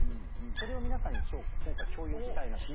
それを皆さんに共有したいなと。